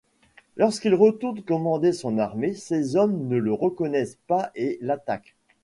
Lorsqu'il retourne commander son armée, ses hommes ne le reconnaissent pas et l'attaque.